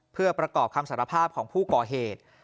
เพื่อประกอบคำสารภาพของผู้ก่อเหตุ